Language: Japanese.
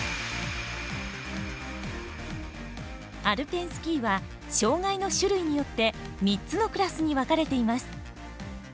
アルペンスキーは障がいの種類によって３つのクラスに分かれています。